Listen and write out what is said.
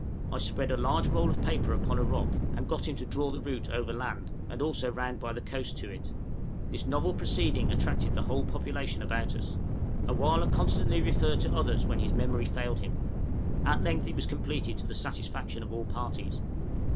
I spread a large roll of paper upon a rock, and got him to draw the route overland, and also round by the coast to it; this novel proceeding attracted the whole population about us; A wăh lah constantly referred to others when his memory failed him; at length it was completed to the satisfaction of all parties.